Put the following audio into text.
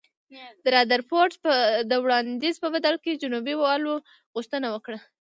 د رادرفورډ د وړاندیز په بدل کې جنوبي والو غوښتنه وکړه.